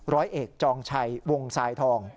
ร้อยเอกจองชัยวงสายทอง